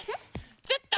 ちょっと。